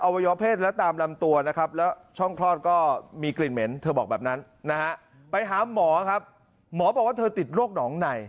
อวยพฤตและตามลำตัวนะครับแล้วช่องคลอดก็